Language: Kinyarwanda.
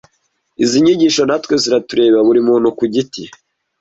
Izi nyigisho natwe ziratureba buri muntu ku giti